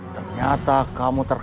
ternyata kamu terkenal